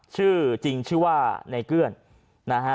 ชื่อจริงชื่อว่าในเกื้อนนะฮะ